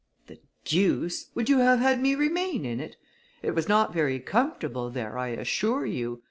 "The deuce! would you have had me remain in it? It was not very comfortable there, I assure you.